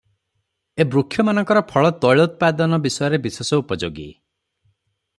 ଏ ବୃକ୍ଷମାନଙ୍କର ଫଳ ତୈଳୋତ୍ପାଦନ ବିଷୟରେ ବିଶେଷ ଉପଯୋଗୀ ।